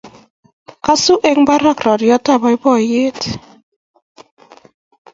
Kosu eng barak roriot ab boiboiyet